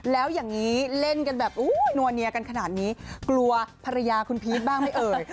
แล้วอย่างนี้เล่นกันแบบนัวเนียกันขนาดนี้กลัวภรรยาคุณพีชบ้างไหมเอ่ย